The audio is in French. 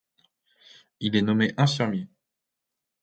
Il est nommé infirmier.